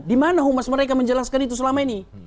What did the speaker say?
di mana humas mereka menjelaskan itu selama ini